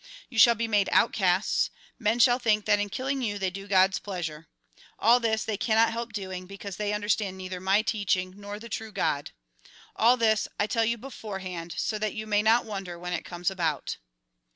You shall be made outcasts; men shall think that in killing you they do God's pleasure. All this they cannot help doing, because they understand neither my teaching nor the true God. All this I tell you beforehand, so that you may not wonder when it comes about.